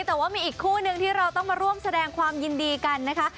แต่ว่ามีอีกคู่นึงที่เราต้องมาร่วมแสดงความยินดีกันนะคะ